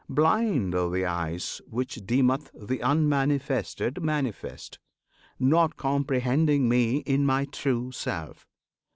Blind are the eyes Which deem th' Unmanifested manifest, Not comprehending Me in my true Self!